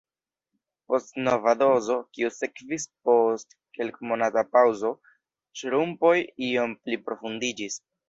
Post nova dozo, kiu sekvis post kelkmonata paŭzo, ŝrumpoj iom pli profundiĝis.